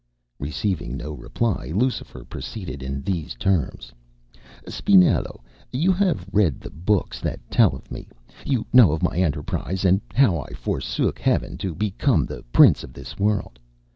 Receiving no reply, Lucifer proceeded in these terms: "Spinello, you have read the books that tell of me. You know of my enterprise, and how I forsook Heaven to become the Prince of this World.